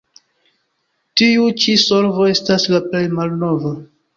Tiu ĉi solvo estas la plej malnova.